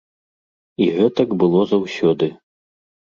І гэтак было заўсёды.